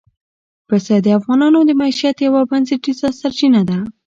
پسه د افغانانو د معیشت یوه بنسټیزه سرچینه ده.